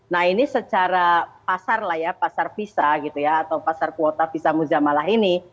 nah ini secara pasar pasar visa atau pasar kuota visa muzamalah ini